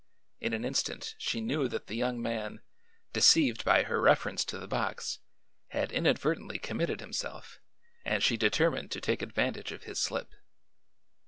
In an instant she knew that the young man, deceived by her reference to the box, had inadvertently committed himself and she determined to take advantage of his slip.